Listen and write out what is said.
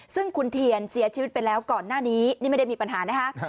ซึ่งคุณเทียนเสียชีวิตไปแล้วก่อนหน้านี้นี่ไม่ได้มีปัญหานะคะ